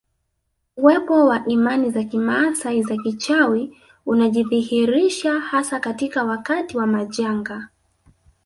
Uwepo wa imani za kimaasai za kichawi unajidhihirisha hasa katika wakati wa majanga